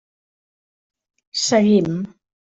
Seguim.